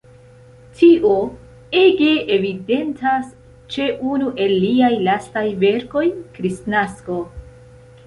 Tio ege evidentas ĉe unu el liaj lastaj verkoj, "Kristnasko".